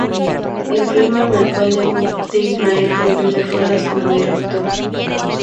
El filme marcó el debut de Ismael Rodríguez Ruelas como director.